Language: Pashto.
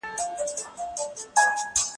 بې فایده وه